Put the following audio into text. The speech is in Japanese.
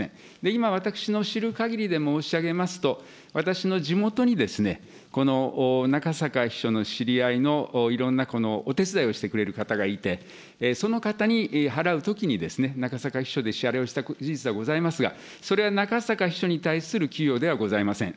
今私の知るかぎりで申し上げますと、私の地元にこの中坂秘書の知り合いのいろんなお手伝いをしてくれる方がいて、その方に払うときに、中坂秘書で支払いをした事実はございますが、それは中坂秘書に対する給与ではございません。